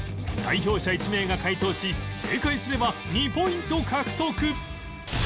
代表者１名が解答し正解すれば２ポイント獲得